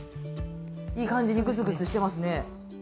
いい感じにグツグツしてますね。